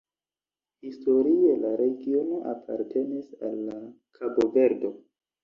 Historie la regiono apartenis al la Kabo-Verdo.